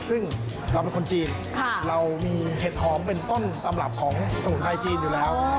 ซึ่งเรามีคนจีนเรามีเห็ดฮอมเป็นต้นกำหรับของศูนย์ไทจีนอยู่แล้ว